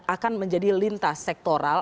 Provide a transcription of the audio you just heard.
akan menjadi lintas sektoral